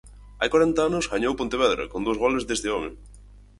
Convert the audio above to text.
Hai corenta anos gañou o Pontevedra con dous goles deste home.